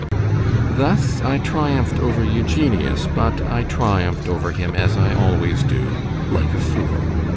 ——Thus I triumph'd over Eugenius; but I triumph'd over him as I always do, like a fool.